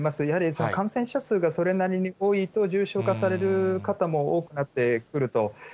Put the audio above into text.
やはり感染者数がそれなりに多いと、重症化される方も多くなってくると。